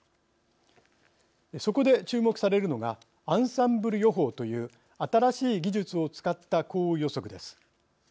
そこで注目されるのがアンサンブル予報という新しい技術を使った降雨予測です。